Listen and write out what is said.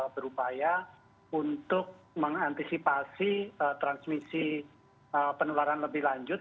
berupaya untuk mengantisipasi transmisi penularan lebih lanjut